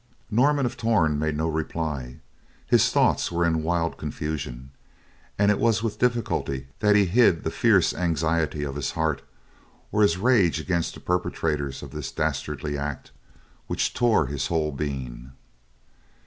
Norman of Torn made no reply, his thoughts were in wild confusion, and it was with difficulty that he hid the fierce anxiety of his heart or his rage against the perpetrators of this dastardly act which tore his whole being.